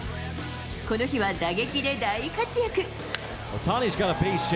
この日は打撃で大活躍。